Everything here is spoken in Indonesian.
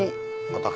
maksudnya gak sampe